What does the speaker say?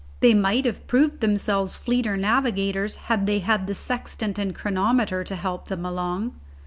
They might have proved themselves fleeter navigators had they had the sextant and chronometer to help them along.